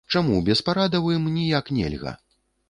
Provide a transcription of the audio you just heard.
Чаму без парадаў ім ніяк нельга?